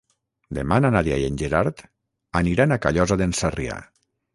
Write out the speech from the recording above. Demà na Nàdia i en Gerard aniran a Callosa d'en Sarrià.